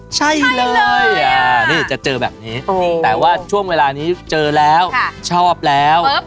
ใช่เลยนี่จะเจอแบบนี้แต่ว่าช่วงเวลานี้เจอแล้วชอบแล้ว